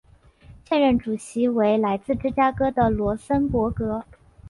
现任主席为来自芝加哥的罗森博格。